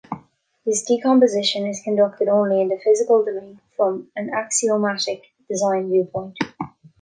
This decomposition is conducted only in the physical domain from an axiomatic design viewpoint.